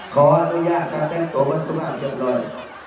ขออนุญาตจ้ามแจ้งตัวมันสุภาพเยี่ยมหน่อย